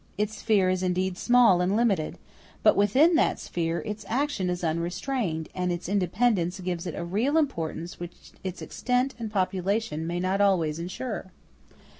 Its sphere is indeed small and limited, but within that sphere its action is unrestrained; and its independence gives to it a real importance which its extent and population may not always ensure.